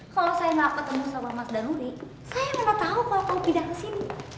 kalau saya gak ketemu sama mas danuri saya mana tau kalau aku pindah kesini